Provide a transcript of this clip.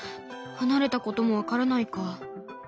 離れたことも分からないか。